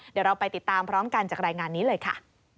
เดี๋ยวเราไปติดตามพร้อมกันจากรายงานนี้เลยค่ะ